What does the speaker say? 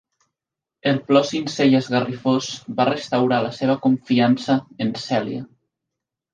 El plor sincer i esgarrifós va restaurar la seva confiança en Celia.